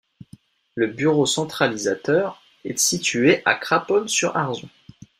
Le bureau centralisateur est situé à Craponne-sur-Arzon.